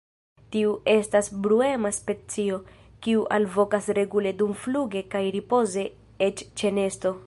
Tiu estas bruema specio, kiu alvokas regule dumfluge kaj ripoze, eĉ ĉe nesto.